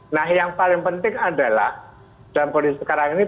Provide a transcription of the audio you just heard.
nah yang paling penting adalah dalam kondisi sekarang ini